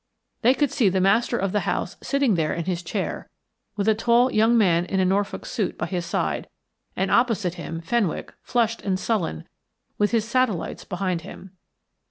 They could see the master of the house sitting there in his chair, with a tall young man in a Norfolk suit by his side, and opposite him Fenwick, flushed and sullen, with his satellites behind him.